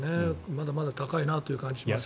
まだまだ高いなという感じがします。